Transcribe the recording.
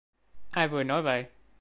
Ai vừa nói vậy